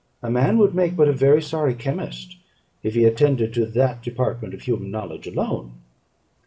A man would make but a very sorry chemist if he attended to that department of human knowledge alone.